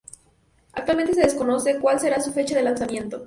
Actualmente se desconoce cual será su fecha de lanzamiento.